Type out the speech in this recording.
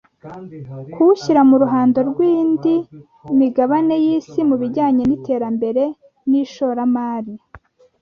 kuwushyira mu ruhando rw’indi migabane y’isi mu bijyanye n’iterambere n’ishoramari